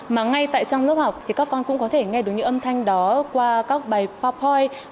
mà ngay tại trong lớp học thì các con cũng có thể nghe được những âm thanh đó qua các bài pophoy